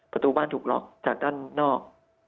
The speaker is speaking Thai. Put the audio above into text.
ประตูบ้านถูกล็อกจากด้านนอก